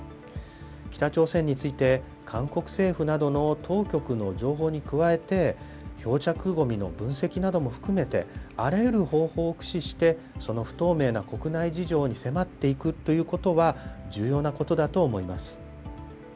北朝鮮について、韓国政府などの当局の情報に加えて、漂着ごみの分析なども含めて、あらゆる方法を駆使して、その不透明な国内事情に迫っていくということは、重要なことだと思います。